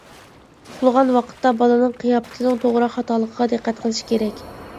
ئۇخلىغان ۋاقىتتا بالىنىڭ قىياپىتىنىڭ توغرا-خاتالىقىغا دىققەت قىلىش كېرەك.